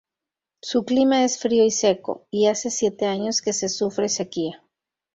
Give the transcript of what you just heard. Su clima es frío y seco, y hace siete años que se sufre sequía.